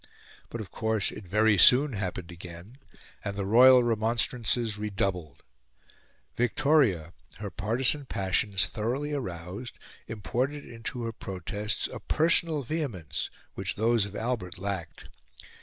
But, of course, it very soon happened again, and the royal remonstrances redoubled. Victoria, her partisan passions thoroughly aroused, imported into her protests a personal vehemence which those of Albert lacked.